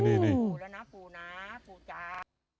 ขอปู่แล้วนะปู่น้าปู่จ๋า